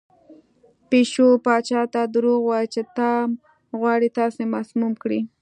پیشو پاچا ته دروغ وویل چې ټام غواړي تاسې مسموم کړي.